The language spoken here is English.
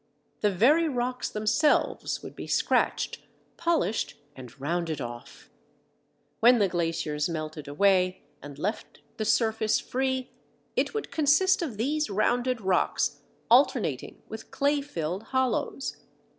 The very rocks themselves would be scratched, polished, and rounded off. When the glaciers melted away and left the surface free, it would consist of these rounded rocks alternating with clay filled hollows.